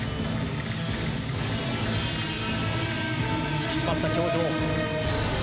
引き締まった表情。